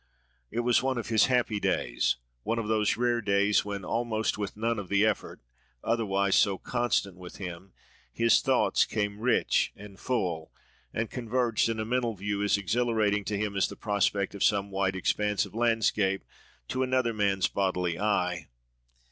It was one of his happy days: one of those rare days, when, almost with none of the effort, otherwise so constant with him, his thoughts came rich and full, and converged in a mental view, as exhilarating to him as the prospect of some wide expanse of landscape to another man's bodily eye.